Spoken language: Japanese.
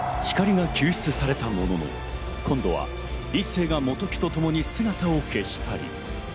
光莉が救出されたものの、今度は一星が本木とともに姿を消したり。